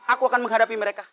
aku akan menghadapi mereka